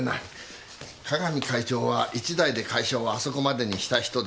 加々美会長は一代で会社をあそこまでにした人です。